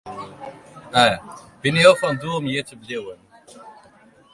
Binne jo fan doel om hjir te bliuwen?